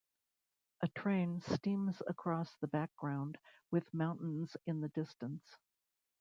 A train steams across the background, with mountains in the distance.